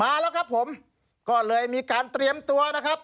มาแล้วครับผมก็เลยมีการเตรียมตัวนะครับ